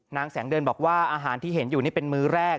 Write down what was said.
นางแสงเดือนบอกว่าอาหารที่เห็นอยู่นี่เป็นมื้อแรก